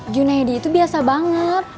junaidi itu biasa banget